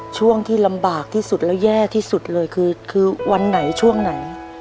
ช่วงที่ลำบากที่สุดแล้วแย่ที่สุดเลยคือคือวันไหนช่วงไหน